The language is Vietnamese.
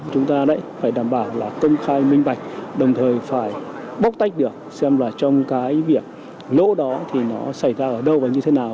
chúng ta lại phải đảm bảo là công khai minh bạch đồng thời phải bóc tách được xem là trong cái việc lỗ đó thì nó xảy ra ở đâu và như thế nào